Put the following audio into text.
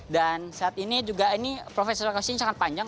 dan saat ini juga ini proses evakuasi ini sangat panjang